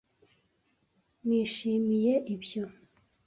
nishimiye ibyo.